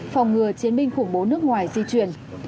phòng ngừa chiến binh khủng bố nước ngoài di chuyển